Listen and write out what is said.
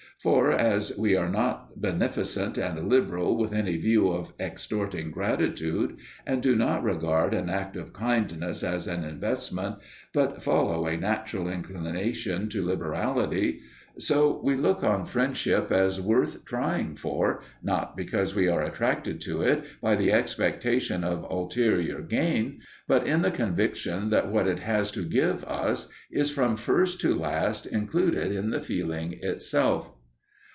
For as we are not beneficent and liberal with any view of extorting gratitude, and do not regard an act of kindness as an investment, but follow a natural inclination to liberality; so we look on friendship as worth trying for, not because we are attracted to it by the expectation of ulterior gain, but in the conviction that what it has to give us is from first to last included in the feeling itself.